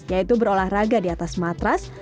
yaitu berolahraga di atas matras